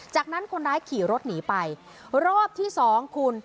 จากนั้นคนร้ายขี่รถหนีไปรอบที่สองคุณ